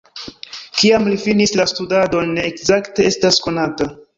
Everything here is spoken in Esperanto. Kiam li finis la studadon ne ekzakte estas konata.